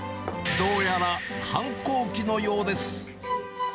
どうやら反抗期のようです。